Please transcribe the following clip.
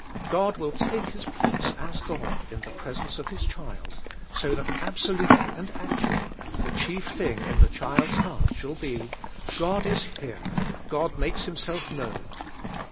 God will take His place as God in the presence of His child, so that absolutely and actually the chief thing in the child's heart shall be: ''God is here, God makes Himself known."